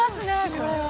これは。